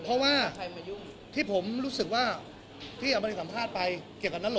น้ำหลงโอเคแล้วครับ